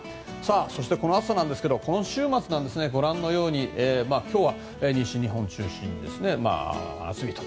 そして、この暑さなんですが今週末、ご覧のように今日は西日本を中心に暑いと。